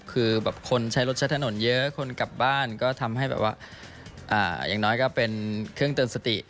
คือแบบคนใช้รถใช้ถนนเยอะคนกลับบ้านก็ทำให้แบบว่าอย่างน้อยก็เป็นเครื่องเตือนสติ